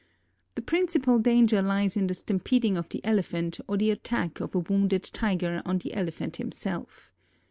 The principal danger lies in the stampeding of the elephant or the attack of a wounded Tiger on the elephant himself.